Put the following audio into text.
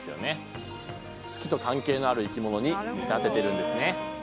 月と関係のある生き物に見立ててるんですね。